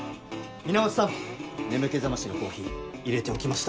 源さん眠気覚ましのコーヒー入れておきました。